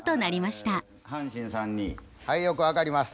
はいよく分かりました。